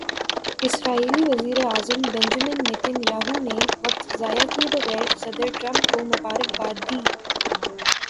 اسرائیلی وزیر اعظم Benjamin Nitin Yahoo نے وقت ضائع کیے بغیر صدر ٹرمپ کو مبارک باد دی۔